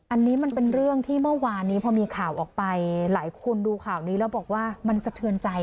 อันนี้มันเป็นเรื่องที่เมื่อวานนี้พอมีข่าวออกไปหลายคนดูข่าวนี้แล้วบอกว่ามันสะเทือนใจ